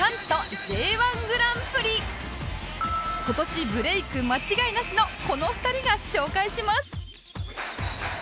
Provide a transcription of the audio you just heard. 今年ブレイク間違いなしのこの２人が紹介します